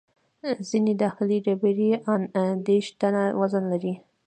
ځینې داخلي ډبرې یې ان دېرش ټنه وزن لري.